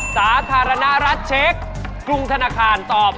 สาธารณรัฐเช็คกรุงธนาคารตอบ